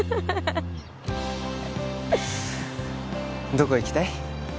どこ行きたい？